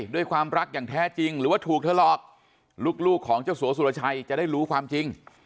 ด้วยความรักอย่างแท้จริงหรือว่าถูกเธอหลอกลูกของเจ้าสัวสุรชัยจะได้รู้ความจริง